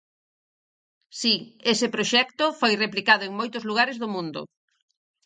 Si, ese proxecto foi replicado en moitos lugares do mundo.